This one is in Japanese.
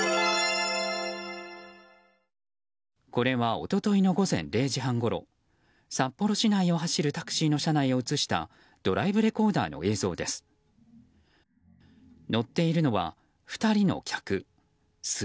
これは一昨日の午前０時半ごろ札幌市内を走るタクシーの車内を映したドライブレコーダーの映像です。